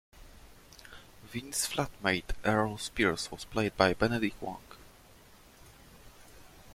Vince's flatmate Errol Spears was played by Benedict Wong.